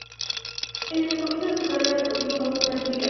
En el comienzo de su carrera deportiva pasó por varios filiales.